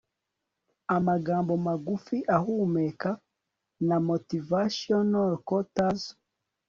amagambo magufi ahumeka namotivational quotes